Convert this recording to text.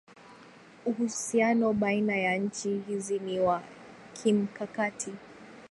Uhusiano baina ya nchi hizi ni wa kimkakati